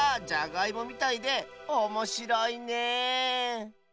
じゃがいもみたいでおもしろいね